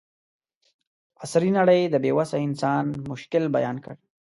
عصري نړۍ د بې وسه انسان مشکل بیان کړ.